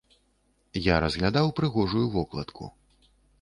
Я разглядаў прыгожую вокладку.